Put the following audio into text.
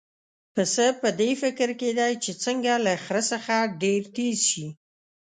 پسه په دې فکر کې دی چې څنګه له خره څخه ډېر تېز شي.